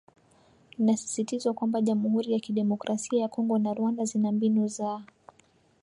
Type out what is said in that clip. Inasisitizwa kwamba Jamuhuri ya Kidemokrasia ya Kongo na Rwanda zina mbinu za